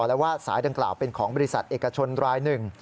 และว่าสายดังกล่าวเป็นของบริษัทเอกชนรายหนึ่ง